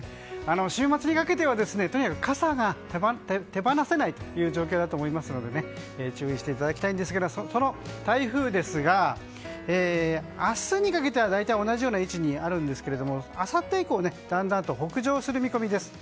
週末にかけてはとにかく傘が手放せない状況だと思いますので注意していただきたいんですがその台風ですが、明日にかけては大体同じような位置にありますがあさって以降だんだんと北上する見込みです。